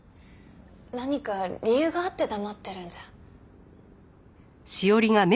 何か理由があって黙ってるんじゃ。